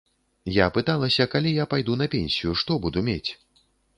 Я пыталася, калі я пайду на пенсію, што буду мець?